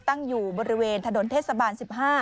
ตั้งอยู่บริเวณถนนเทศบาล๑๕